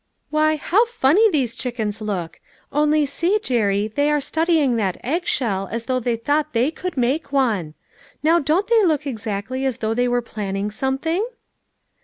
Why, how funny those chickens look ! Only see, Jerry, they are studying that eggshell as though they thought they could make one. Now don't they look ex actly as though they were planning something?"